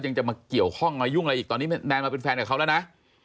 จะมาเกี่ยวข้องมายุ่งอะไรอีกตอนนี้แนนมาเป็นแฟนกับเขาแล้วนะ